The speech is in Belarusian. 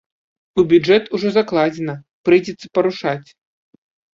У бюджэт ужо закладзена, прыйдзецца парушаць.